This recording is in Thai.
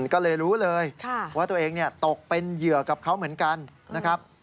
ก็เลยรู้เลยว่าตัวเองตกเป็นเหยื่อกับเขาเหมือนกันนะครับ